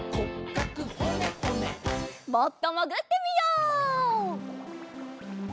もっともぐってみよう。